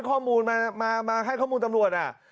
เอ่นหลังจากนะ